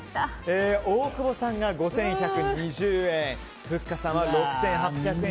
大久保さんが５１２０円ふっかさんは６８００円。